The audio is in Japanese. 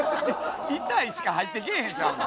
痛いしか入ってけえへんちゃうの。